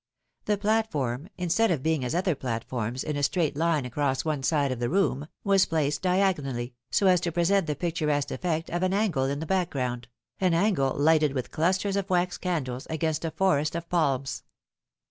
The platform, instead of being as other platforms, in a straight line across one side of the room, was placed diagonally, so as to present the picturesque effect of an angle in the background, an angle lighted with clusters of wax candles, against a forest of palms.